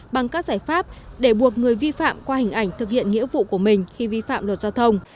bằng các giải pháp để buộc người vi phạm qua hình ảnh thực hiện nghĩa vụ của mình khi vi phạm luật giao thông